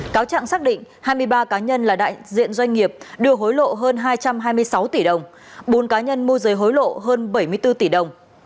cáo trạng xác định hai mươi ba cá nhân là đại diện doanh nghiệp đưa hối lộ hơn hai trăm hai mươi sáu tỷ đồng bốn cá nhân môi giới hối lộ hơn bảy mươi bốn tỷ đồng